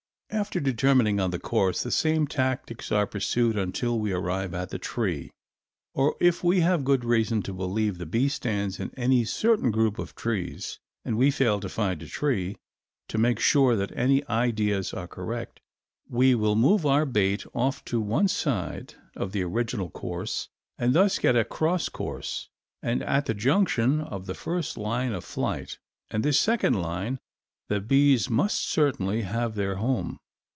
After determining on the course the same tactics are pursued until we arrive at the tree, or, if we have good reason to believe the bee stands in any certain group of trees and we fail to find the tree, to make sure that our ideas are correct we will move our bait off to one side of the original course and thus get a cross course, and at the junction of the first line of flight and this second line, the bees must certainly have their home.